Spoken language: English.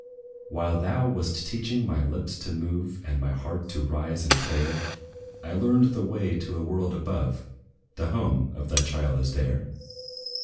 "While thou wast teaching my lips to move, And my heart to rise in prayer, I learned the way to a world above; The home of thy child is there!